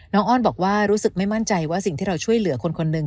อ้อนบอกว่ารู้สึกไม่มั่นใจว่าสิ่งที่เราช่วยเหลือคนคนหนึ่ง